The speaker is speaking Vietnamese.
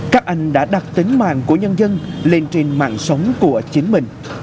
các anh đã đặt tính mạng của nhân dân lên trên mạng sống của chính mình